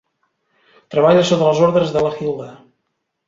Treballa sota les ordres de la Hilda.